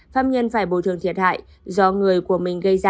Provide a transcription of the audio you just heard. pháp nhân phải bồi thường thiệt hại